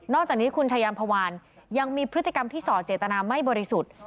จากนี้คุณชายามพวานยังมีพฤติกรรมที่สอดเจตนาไม่บริสุทธิ์